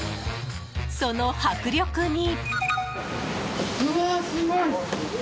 その迫力に。